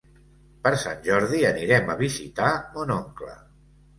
Per Sant Jordi anirem a visitar mon oncle.